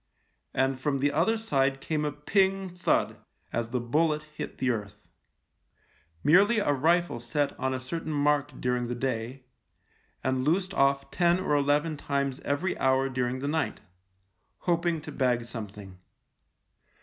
And from the other side came a ping — thud, as the bullet hit the earth. Merely a rifle set on a certain mark during the day, and loosed off ten or eleven times every hour during the night — hoping to bag something.